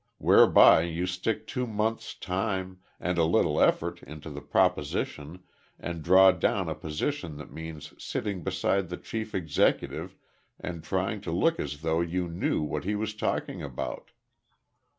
Whereby you stick two months time and a little effort into the proposition and draw down a position that means sitting beside the chief executive and trying to look as though you knew what he was talking about.